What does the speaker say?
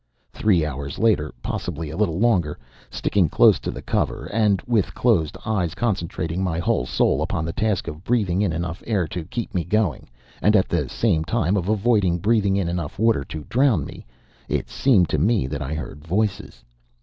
Three hours later, possibly a little longer, sticking close to the cover, and with closed eyes, concentrating my whole soul upon the task of breathing in enough air to keep me going and at the same time of avoiding breathing in enough water to drown me, it seemed to me that I heard voices.